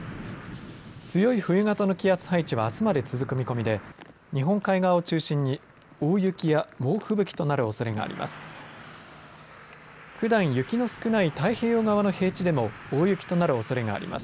強い冬型の気圧配置はあすまで続く見込みで日本海側を中心に大雪や猛吹雪となるおそれがあります。